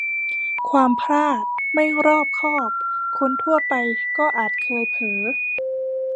ความพลาด-ไม่รอบคอบ คนทั่วไปก็อาจเคยเผลอ